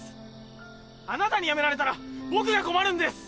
あなたにやめられたら僕が困るんです！